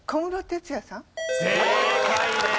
正解です。